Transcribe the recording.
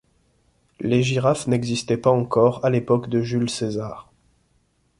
Les girafes n'existaient pas encore à l'époque de Jules César.